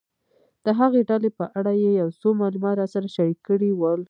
د هغې ډلې په اړه یې یو څه معلومات راسره شریک کړي ول.